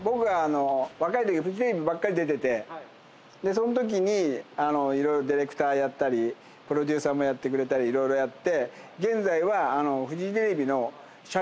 そのときに色々ディレクターやったりプロデューサーもやってくれたり色々やって現在は。